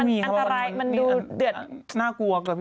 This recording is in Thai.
มันอันตรายมันดูเดือด